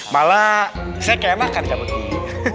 malah saya kayak makan cabut ini